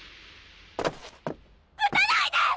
うたないで！